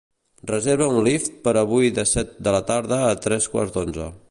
Reserva un Lyft per avui de set de la tarda a tres quarts d'onze.